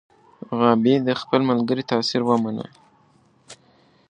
غابي د خپل ملګري تاثیر ومنه.